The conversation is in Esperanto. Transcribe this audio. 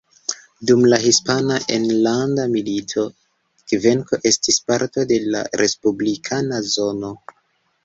Dum la Hispana Enlanda Milito, Kvenko estis parto de la respublikana zono.